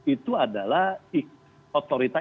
itu adalah otorita